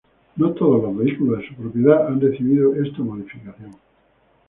No todos los vehículos de su propiedad han recibido esta modificación.